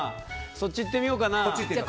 そっちいってみようかな。